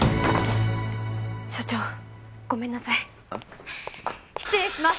所長ごめんなさい失礼します